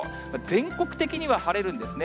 全国的には晴れるんですね。